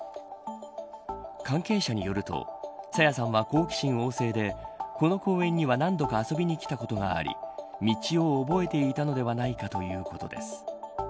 関係者によると朝芽さんは好奇心旺盛でこの公園には何度か遊びに来たことがあり道を覚えていたのではないかということです。